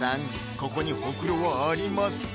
ここにホクロはありますか？